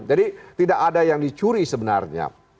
jadi tidak ada yang dicuri sebenarnya